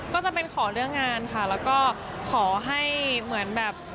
ก็จะเป็นขอเรื่องงานค่ะแล้วก็ขอให้เหมือนแบบ